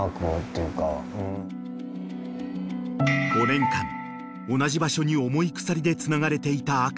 ［５年間同じ場所に重い鎖でつながれていた赤］